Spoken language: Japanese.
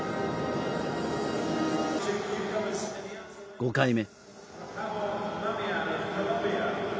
５回目。